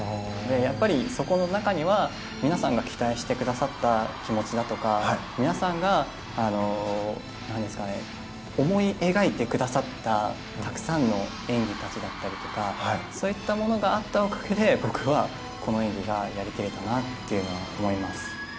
やっぱり、そこの中には皆さんが期待してくださった気持ちだとか皆さんが思い描いてくださったたくさんの演技たちだったりとかそういったものがあったおかげで僕はこの演技がやり切れたなというのは思います。